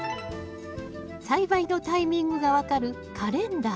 栽培のタイミングが分かるカレンダー